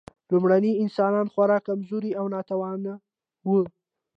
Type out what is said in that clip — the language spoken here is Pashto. لومړني انسانان خورا کمزوري او ناتوانه وو.